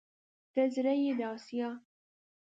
ته زړه يې د اسيا